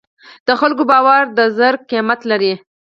د خلکو باور د زر قیمت لري.